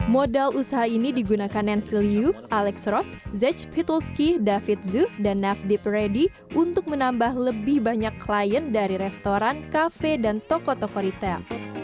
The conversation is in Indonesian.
modal usaha ini digunakan n phil yu alex ross zedge pytulski david zhu dan navdeep reddy untuk menambah lebih banyak klien dari restoran kafe dan toko toko retail